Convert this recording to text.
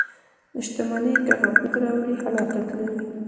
• شتمني که غفلت راولي، هلاکت لري.